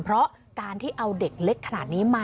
เพราะการที่เอาเด็กเล็กขนาดนี้มา